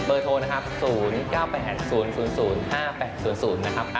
เบอร์โทร๐๐๐๐๙๘๐๐๐๘๘๐๐นะครับ